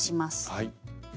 はい。